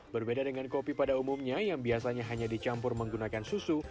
berbeda dengan kopi pada umumnya yang biasanya hanya dicampur menggunakan susu